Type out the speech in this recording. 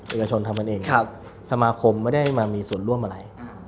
เอกชนทำกันเองสมาคมไม่ได้มามีส่วนร่วมอะไร